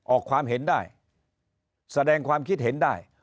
ออกความเห็นได้แสดงความคิดเห็นได้